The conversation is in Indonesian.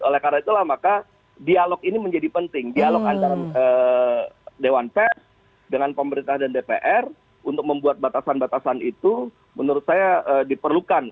oleh karena itulah maka dialog ini menjadi penting dialog antara dewan pers dengan pemerintah dan dpr untuk membuat batasan batasan itu menurut saya diperlukan